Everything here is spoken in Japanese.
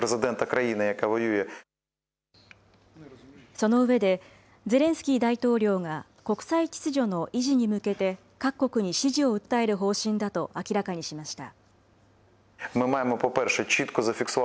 その上で、ゼレンスキー大統領が国際秩序の維持に向けて各国に支持を訴える方針だと明らかにしました。